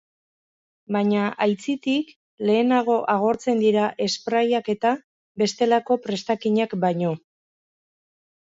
Baina, aitzitik, lehenago agortzen dira sprayak eta bestelako prestakinak baino.